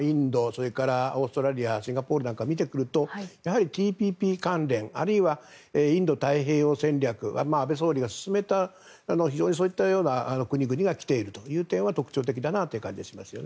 それから、オーストラリアシンガポールなどを見るとやはりＴＰＰ関連あるいはインド太平洋戦略安倍元総理が進めたそういったような国々が来ているという点は特徴的だなという感じがします。